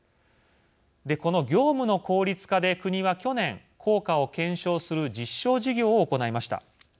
この業務の効率化で国は去年効果を検証する実証事業を行いました。